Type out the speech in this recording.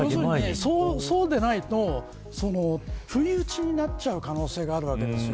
そうでないと不意打ちになっちゃう可能性があるわけなんです。